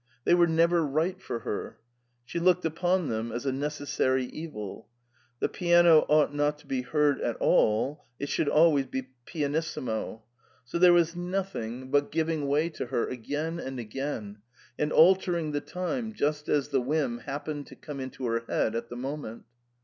They were never right for her ; she looked upon them as a neces sary evil ; the piano ought not to be heard at all, it should always be pianissimo; so there was nothing but so THE FERMATA. giving way to her again and again, and altering the time just as the whim happened to come into her head at the moment.